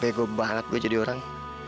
bego banget gue jadi orang